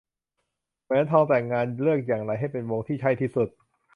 แหวนทองแต่งงาน เลือกอย่างไรให้เป็นวงที่ใช่ที่สุด